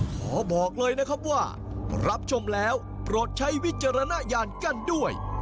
ขอบอกเลยนะครับว่ารับชมแล้วโปรดใช้วิจารณญาณกันด้วย